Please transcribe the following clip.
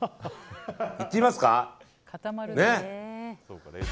いってみますか、ね。